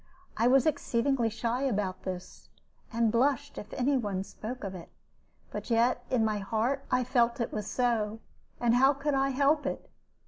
I was exceedingly shy about this, and blushed if any one spoke of it; but yet in my heart I felt it was so; and how could I help it?